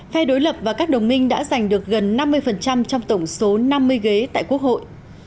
phe đối lập và các đồng minh đã giành được gần năm mươi trong tổng số năm mươi ghế tại quốc hội